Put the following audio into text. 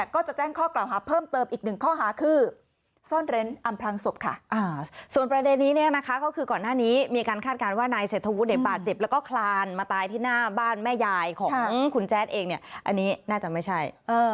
ก็คือก่อนหน้านี้มีการคาดการณ์ว่านายเศรษฐวุฒิเด็บบาดเจ็บแล้วก็คลานมาตายที่หน้าบ้านแม่ยายของคุณแจนเองอันนี้น่าจะไม่ใช่